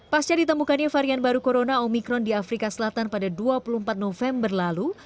pasca ditemukannya varian baru corona omikron di afrika selatan pada dua puluh empat november lalu